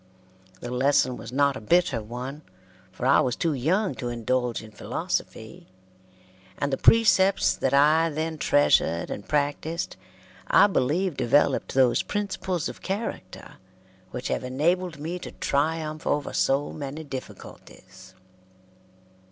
The lesson was not a bitter one, for I was too young to indulge in philosophy, and the precepts that I then treasured and practised I believe developed those principles of character which have enabled me to triumph over so many difficulties.